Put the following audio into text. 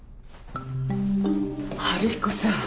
春彦さん。